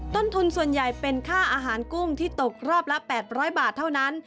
ต้นทุนส่วนใหญ่เป็นค่าอาหารกุ้งที่ตกรอบละ๘๐๐บาทเท่านั้น